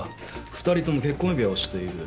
２人とも結婚指輪をしている。